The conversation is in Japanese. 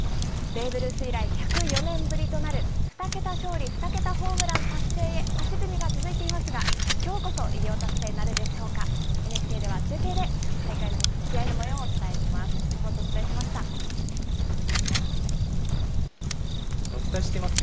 ベーブ・ルース以来、１０４年ぶりとなる、２桁勝利２桁ホームラン達成へ、足踏みが続いていますが、きょうこそ、偉業達成なるでしょうか、ＮＨＫでは中継で、試合のもようをお伝えします。